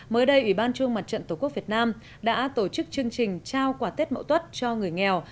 mới đây ủy ban trung mặt trận tổ quốc việt nam đã tổ chức chương trình trao quả tết mậu tuất cho người nghèo